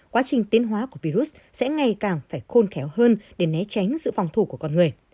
quá trình tiến hóa của virus sẽ ngày càng phải khôn khéo hơn để né tránh sự phòng thủ của con người